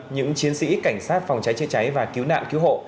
những chiến sĩ cảnh sát phòng cháy chữa cháy và cứu nạn cứu hộ